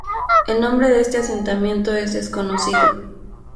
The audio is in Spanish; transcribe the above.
El nombre de este asentamiento es desconocido.